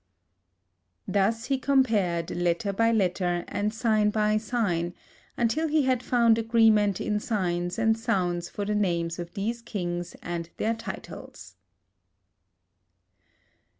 Thus he compared letter by letter, and sign by sign, until he had found agreement in signs and sound for the names of these kings and their titles.